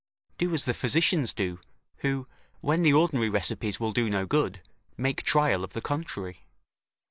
"Do as the physicians do, who, when the ordinary recipes will do no good, make trial of the contrary.